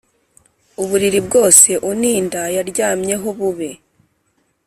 Uburiri bwose uninda yaryamyeho bube